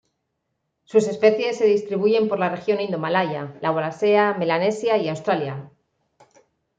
Sus especies se distribuyen por la región indomalaya, la Wallacea, Melanesia y Australia.